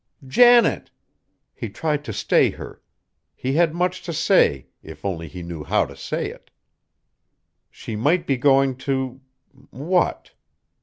"Janet!" He tried to stay her. He had much to say, if only he knew how to say it. She might be going to what?